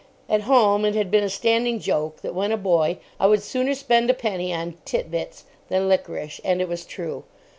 At home it had been a standing joke that, when a boy, I would sooner spend a penny on Tit Bits than liquorice. And it was true.